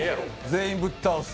全員ぶっ倒す。